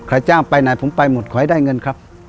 จ้างไปไหนผมไปหมดขอให้ได้เงินครับ